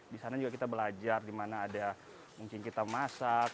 di sana juga kita belajar di mana ada mungkin kita masak